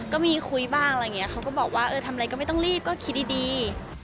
ก็มีคุยบ้างอะไรอย่างนี้เขาก็บอกว่าเออทำอะไรก็ไม่ต้องรีบก็คิดดี